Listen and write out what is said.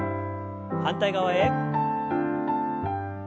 反対側へ。